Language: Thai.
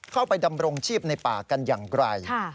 เข้าไปดำรงชีพในป่ากันอย่างไกล